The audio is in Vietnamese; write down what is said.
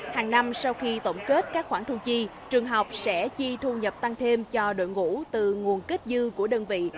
hàng năm sau khi tổng kết các khoản thu chi trường học sẽ chi thu nhập tăng thêm cho đội ngũ từ nguồn kết dư của đơn vị